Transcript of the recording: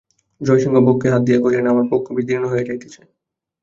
জয়সিংহ বক্ষে হাত দিয়া কহিলেন, আমার বক্ষ বিদীর্ণ হইয়া যাইতেছে।